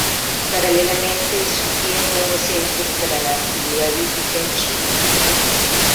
Paralelamente, surgían nuevos centros para la actividad hípica en Chile.